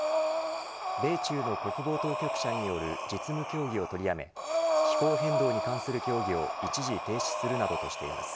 米中の国防当局者による実務協議を取りやめ気候変動に関する協議を一時停止するなどとしています。